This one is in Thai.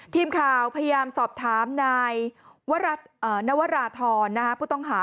ทีมข่าวพยายามสอบถามนายนวราธรผู้ต้องหา